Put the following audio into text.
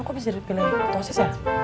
kok bisa jadi ketosis ya